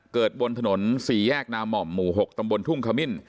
บนถนน๔แยกนาม่อมหมู่๖ตำบลทุ่งขมิ้น